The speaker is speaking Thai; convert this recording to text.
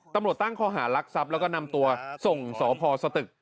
ตำรวจตั้งข้อหารักทรัพย์แล้วก็นำตัวส่งสพสตึก